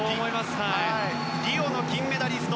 リオの金メダリスト